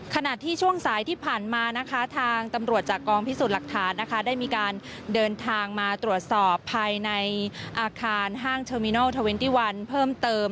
ขณะที่ช่วงสายที่ผ่านมาทางตำรวจจากกองพิสูจน์หลักฐานได้มีการเดินทางมาตรวจสอบภายในอาคารห้างเทอร์มินัล๒๑เพิ่มเติม